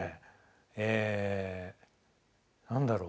え何だろう。